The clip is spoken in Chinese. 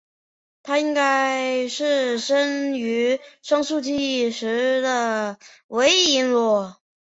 她应该是生于双树纪时的维林诺。